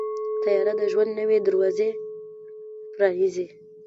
طیاره د ژوند نوې دروازې پرانیزي.